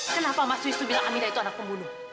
kenapa mas wisnu bilang amida itu anak pembunuh